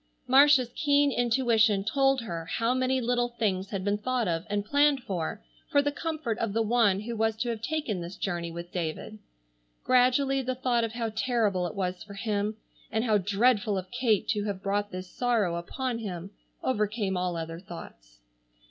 Marcia's keen intuition told her how many little things had been thought of and planned for, for the comfort of the one who was to have taken this journey with David. Gradually the thought of how terrible it was for him, and how dreadful of Kate to have brought this sorrow upon him, overcame all other thoughts.